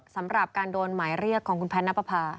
สำหรับการโดนหมายเรียกของคุณแพทย์นับประพา